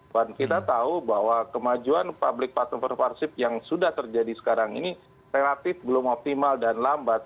dan kita tahu bahwa kemajuan public private partnership yang sudah terjadi sekarang ini relatif belum optimal dan lambat